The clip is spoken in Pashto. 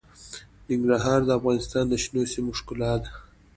ننګرهار د افغانستان د شنو سیمو ښکلا ده.